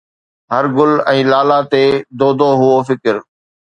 هر گل ۽ لالا تي دودو هئو فڪر